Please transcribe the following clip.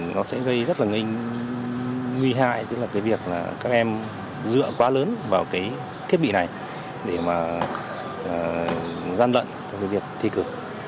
nó sẽ gây rất là nguy hại cái việc các em dựa quá lớn vào cái thiết bị này để mà gian lận cái việc thi cử